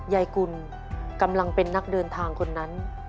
กุลกำลังเป็นนักเดินทางคนนั้น